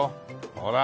ほら。